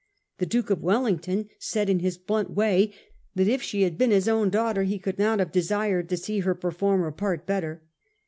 The Duke of Wellington said in his blunt way that if she had been his own daughter he could not have desired to see her perform her part better.